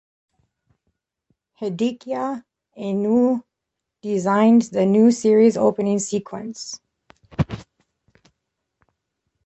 Hideaki Anno designed the new series' opening sequence.